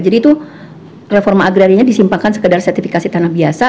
jadi itu reforma agrarianya disimpangkan sekedar sertifikasi tanah biasa